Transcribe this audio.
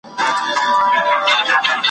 دا وینا یې په څو څو ځله کوله ,